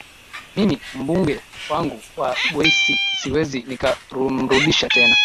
mimi mbunge wangu wa bweisi siwezi nikamrudisha tena